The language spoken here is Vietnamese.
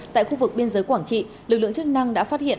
tại khu vực biên giới quảng trị lực lượng chức năng đã phát hiện